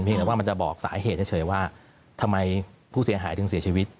แต่ว่ามันจะบอกสาเหตุเฉยว่าทำไมผู้เสียหายถึงเสียชีวิต